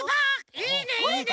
いいねいいね！